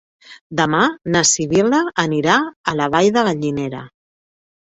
Demà na Sibil·la anirà a la Vall de Gallinera.